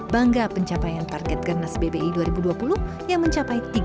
bangga pencapaian target gernas bbi dua ribu dua puluh yang mencapai tiga tujuh unik